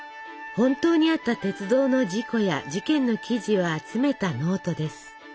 本当にあった鉄道の事故や事件の記事を集めたノートです。